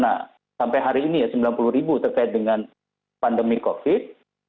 nah sampai hari ini ya sembilan puluh ribu terkait dengan pandemi covid